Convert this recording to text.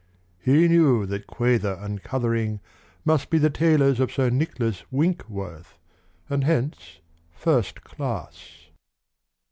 He knew that Quayther and Cuthering must be the tailors of Sir Nicholas Winkworth, and hence first class.